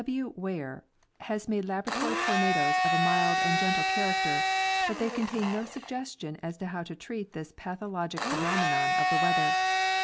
M Weyher has made laboratory tornadoes of a mild and gentle character, but they contain no suggestion as to how to treat this pathologic _ phenomenon of the weather.